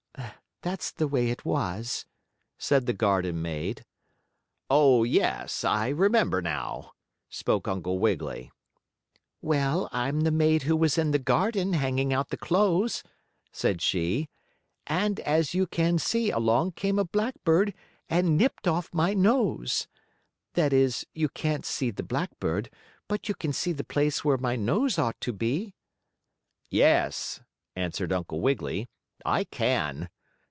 "That's the way it was," said the garden maid. "Oh, yes, I remember now," spoke Uncle Wiggily. "Well, I'm the maid who was in the garden, hanging out the clothes," said she, "and, as you can see, along came a blackbird and nipped off my nose. That is, you can't see the blackbird, but you can see the place where my nose ought to be." "Yes," answered Uncle Wiggily, "I can.